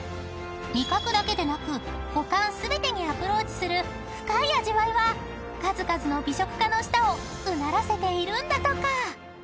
［味覚だけでなく五感全てにアプローチする深い味わいは数々の美食家の舌をうならせているんだとか］